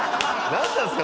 なんなんですか？